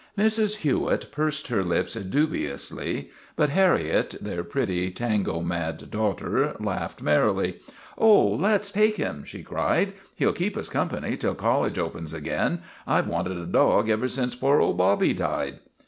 Mrs. Hewitt pursed her lips dubiously, but Har riet, their pretty, tango mad daughter, laughed merrily. " Oh, let 's take him," she cried. " He '11 keep us company till college opens again. I 've wanted a dog ever since poor old Bobby died."